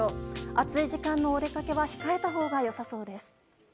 暑い時間のお出かけは控えたほうが良さそうです。